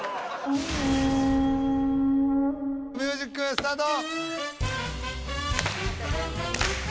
ミュージックスタート！